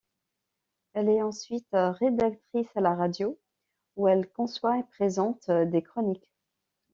Elle est ensuite rédactrice à la radio, où elle conçoit et présente des chroniques.